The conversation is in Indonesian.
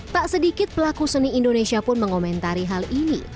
tak sedikit pelaku seni indonesia pun mengomentari hal ini